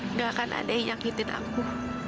nggak akan ada yang nyakitin aku